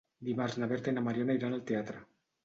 Dimarts na Berta i na Mariona iran al teatre.